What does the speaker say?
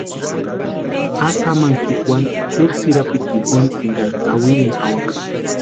Asï jamani jikwani itsï tsʼïrapiti jinkoni enkari kawirini jawaka.